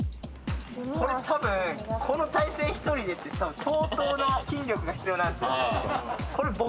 これ多分この体勢１人でって相当な筋力が必要なんすよ。